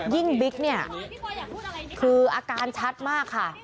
บิ๊กเนี่ยคืออาการชัดมากค่ะ